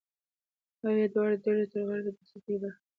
او یا د دواړو ډلو ټول غړي په دسیسه کې برخه لري.